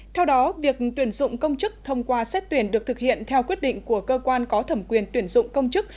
theo đó việc tuyển dụng công chức thông qua xét tuyển được thực hiện theo quyết định của cơ quan có thẩm quyền tuyển dụng công chức